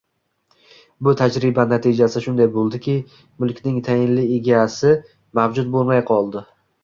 Bu tajriba natijasi shunday bo‘ldiki, mulkning tayinli egasi mavjud bo‘lmay qoldi